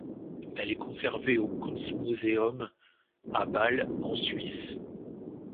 Elle est conservée au Kunstmuseum, à Bâle, en Suisse.